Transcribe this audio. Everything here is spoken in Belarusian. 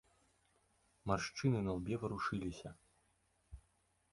Маршчыны на лбе варушыліся.